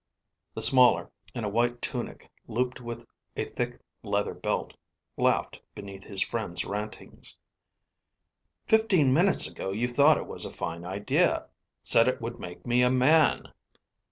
The smaller, in a white tunic looped with a thick leather belt, laughed beneath his friend's rantings. "Fifteen minutes ago you thought it was a fine idea; said it would make me a man."